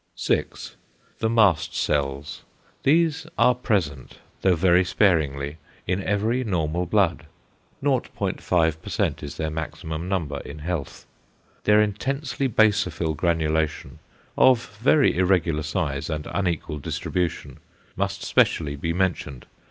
6. The mast cells. These are present, though very sparingly, in every normal blood; 0.5% is their maximum number in health. Their intensely basophil granulation, of very irregular size and unequal distribution, must specially be mentioned.